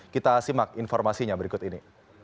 kita simak informasinya berikut ini